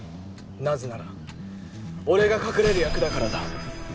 なぜなら俺が隠れる役だからだ。